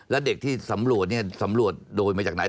แล้วเด็กที่สำรวจเนี่ยสำรวจสำรวจโดยมาจากไหน